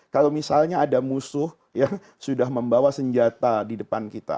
kalau misalnya ada musuh yang sudah membawa senjata di depan kita